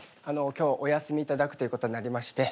今日お休み頂くということになりまして。